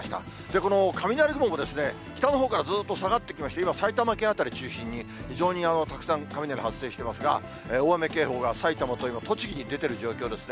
この雷雲も、北のほうからずーっと下がってきまして、今、埼玉県辺り中心に、非常にたくさん雷、発生してますが、大雨警報が埼玉と栃木に出てる状況ですね。